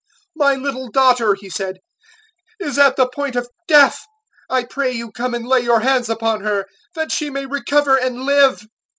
"My little daughter," he said, "is at the point of death: I pray you come and lay your hands upon her, that she may recover and live."